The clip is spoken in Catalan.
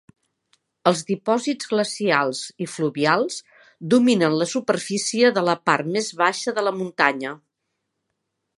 Els dipòsits glacials i fluvials dominen la superfície de la part més baixa de la muntanya.